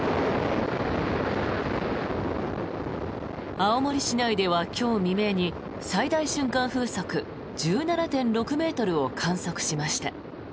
青森市内では今日未明に最大瞬間風速１７．６ｍを観測しました。